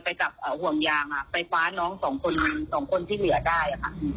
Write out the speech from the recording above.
ไปกับห่วงยางไปฟ้าน้อง๒คนที่เหลือได้